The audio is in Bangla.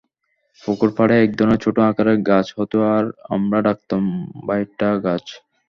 পুকুর পাড়েই একধরনের ছোট আকারের গাছ হতো আমরা ডাকতাম ভাইটা গাছ।